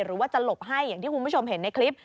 หรือว่าจะหลบให้อย่างที่คุณผู้ชมเห็นในคลิป